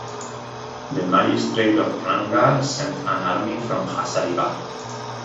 Then magistrate of Ramgarh sent an army from Hazaribagh.